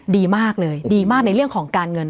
ดีมากเลยดีมากในเรื่องของการเงิน